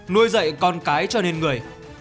nuôi dạy con cái cho nên người